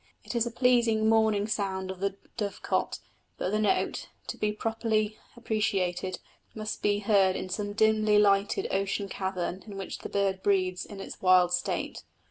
It is a pleasing morning sound of the dove cote; but the note, to be properly appreciated, must be heard in some dimly lighted ocean cavern in which the bird breeds in its wild state.